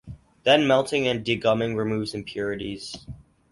Then melting and degumming removes impurities.